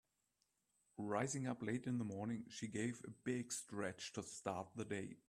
Rising up late in the morning she gave a big stretch to start the day.